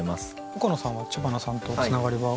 岡野さんは知花さんとつながりはありますか？